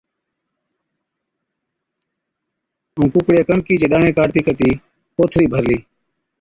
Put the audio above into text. ائُون ڪُوڪڙِيئَي ڪڻڪِي چي ڏاڻي ڪاڍتِي ڪتِي ڪوٿڙِي ڀرلِي۔